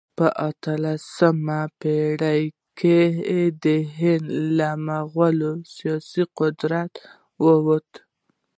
په اتلسمه پېړۍ کې د هند له مغولو سیاسي قدرت ووت.